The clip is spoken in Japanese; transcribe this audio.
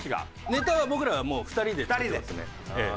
ネタは僕らはもう２人で作ってますねええ。